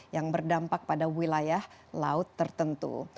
yang berdampak pada wilayah laut tertentu